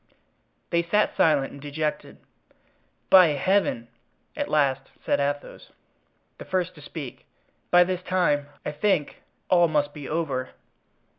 They sat silent and dejected. "By Heaven!" at last said Athos, the first to speak, "by this time, I think, all must be over."